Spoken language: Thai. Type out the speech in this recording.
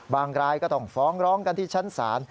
รายก็ต้องฟ้องร้องกันที่ชั้นศาล